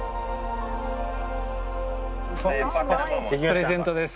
プレゼントです。